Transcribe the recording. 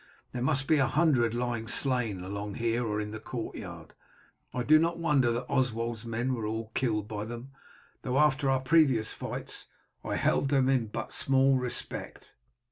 There must be a hundred lying slain along here or in the courtyard. I do not wonder that Oswald's men were all killed by them, though after our previous fights I held them in but small respect."